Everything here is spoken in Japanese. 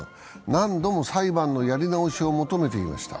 何度も裁判のやり直しを求めてきました。